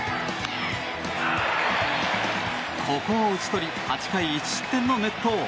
ここを打ち取り８回１失点の熱闘。